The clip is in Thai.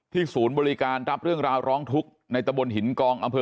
ศูนย์บริการรับเรื่องราวร้องทุกข์ในตะบนหินกองอำเภอ